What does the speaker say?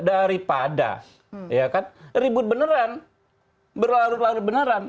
daripada ribut beneran berlarut larut beneran